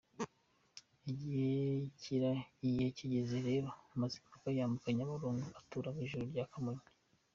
Igihe kigeze rero Mazimpaka yambuka Nyabarongo atura ku Ijuru rya Kamonyi.